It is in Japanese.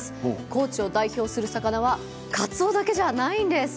高知を代表する魚はカツオだけじゃないです。